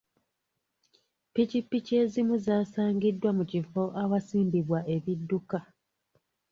Ppikipiki ezimu zaasangiddwa mu kifo ewasimbibwa ebidduka.